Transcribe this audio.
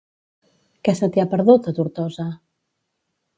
Què se t'hi ha perdut, a Tortosa?